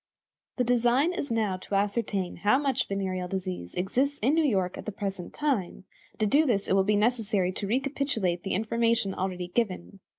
The design is now to ascertain how much venereal disease exists in New York at the present time, and to do this it will be necessary to recapitulate the information already given.